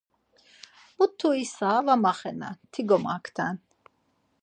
Mutu isa var maxenen, ti gomakten.